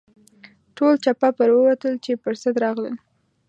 ټول چپه پر ووتل چې پر سد راغلل.